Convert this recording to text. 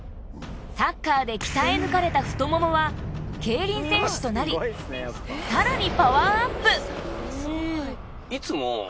サッカーで鍛え抜かれた太ももは競輪選手となりさらにいや。